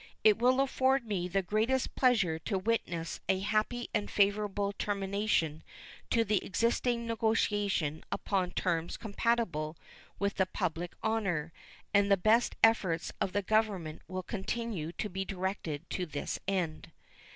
It will afford me the greatest pleasure to witness a happy and favorable termination to the existing negotiation upon terms compatible with the public honor, and the best efforts of the Government will continue to be directed to this end.